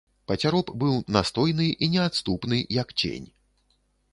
Пацяроб быў настойны і неадступны, як цень.